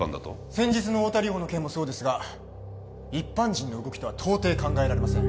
先日の太田梨歩の件もそうですが一般人の動きとは到底考えられません